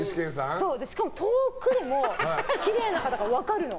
しかも遠くでもきれいな方が分かるの。